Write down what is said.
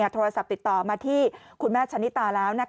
โทรศัพท์ติดต่อมาที่คุณแม่ชะนิตาแล้ว